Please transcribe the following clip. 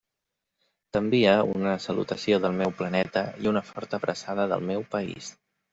T'envie una salutació del meu planeta i una forta abraçada del meu país.